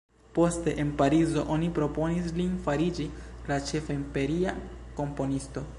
Poste, en Parizo oni proponis lin fariĝi la ĉefa imperia komponisto.